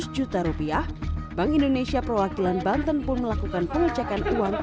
lima ratus juta rupiah bank indonesia perwakilan banten pun melakukan pengecekan uang